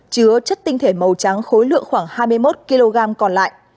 chứa chất tinh thể màu trắng khối lượng khoảng hai mươi một kg còn lại